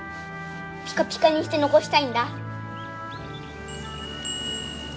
ピカピカにして残したいんだ。